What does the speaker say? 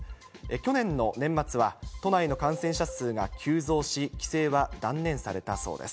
去年の年末は、都内の感染者数が急増し、帰省は断念されたそうです。